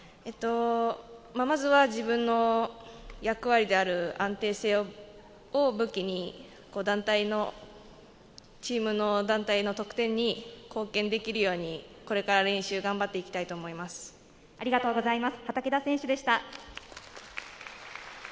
まずは自分の役割である安定性を武器にチームの団体の得点に貢献できるように、これから練習を頑張っていきたいと思います。